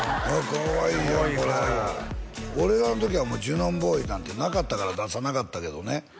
かわいいやんこれかわいいですね俺らの時はもうジュノンボーイなんてなかったから出さなかったけどね